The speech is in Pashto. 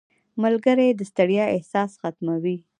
• ملګری د ستړیا احساس ختموي.